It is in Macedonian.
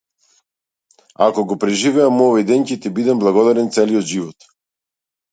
Ако го преживеам овој ден ќе ти бидам благодарен целиот живот.